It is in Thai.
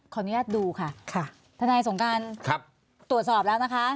อนุญาตดูค่ะทนายสงการตรวจสอบแล้วนะคะ